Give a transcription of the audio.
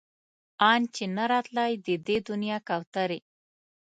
ان چې نه راتلی د دې دنيا کوترې